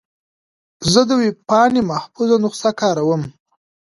زه د ویب پاڼې محفوظ نسخه کاروم.